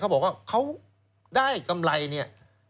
เขาบอกเขาได้กำไรนี่